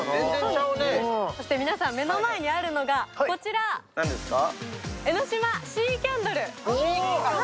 皆さん、目の前にあるのがこちら、江の島シーキャンドル。